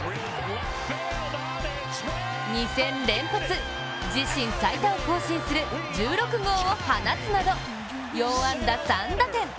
２戦連発、自身最多を更新する１６号を放つなど、４安打３打点。